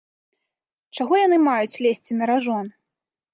Чаго яны маюць лезці на ражон?